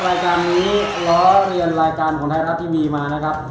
รายการนี้ล้อเรียนรายการของไทยรัฐทีวีมานะครับ